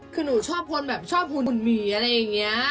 คือหนูชอบคนแบบชอบหุ่นหมีอะไรอย่างนี้